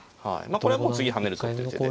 これはもう次跳ねるぞっていう手で。